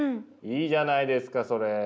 いいじゃないですかそれ。